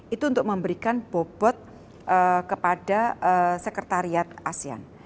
itu untuk memberikan bobot kepada sekretariat asean